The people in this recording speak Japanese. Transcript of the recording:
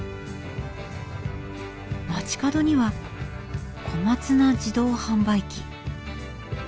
街角には小松菜自動販売機。